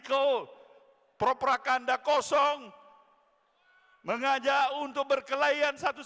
kepentingan partai itu